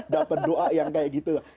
dapat doa yang kayak gitu